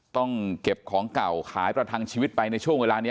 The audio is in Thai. ต้องเก็บของเก่าขายประทังชีวิตไปในช่วงเวลานี้